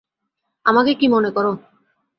আমাকে কী মনে করো?